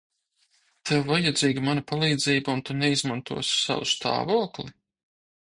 Tev vajadzīga mana palīdzība, un tu neizmantosi savu stāvokli?